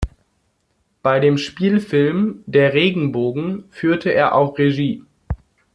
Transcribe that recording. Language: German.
Bei dem Spielfilm "Der Regenbogen" führte er auch Regie.